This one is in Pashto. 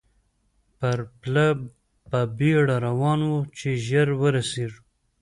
پر پله په بېړه روان وو، چې ژر ورسېږو.